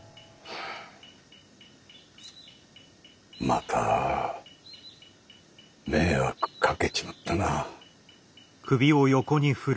また迷惑かけちまったなぁ。